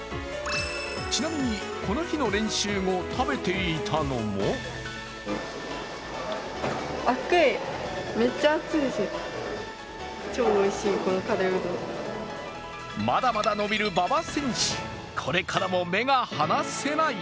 ちなみに、この日の練習後食べていたのもまだまだ伸びる馬場選手、これからも目が離せない。